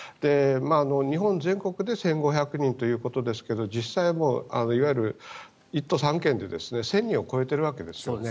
日本全国で１５００人ということですけど実際、いわゆる１都３県で１０００人を超えているわけですね。